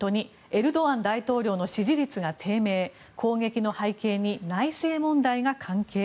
２エルドアン大統領の支持率が低迷攻撃の背景に内政問題が関係？